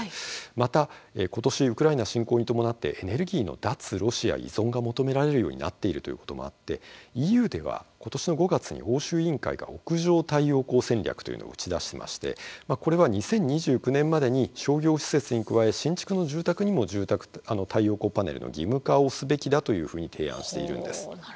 また今年ウクライナ侵攻に伴ってエネルギーの脱ロシア依存が求められるようになっているということもあってＥＵでは今年の５月に欧州委員会が「屋上太陽光戦略」というのを打ち出していましてこれは２０２９年までに商業施設に加え、新築の住宅にも太陽光パネルの義務化をすべきだというふうに提案しているんです。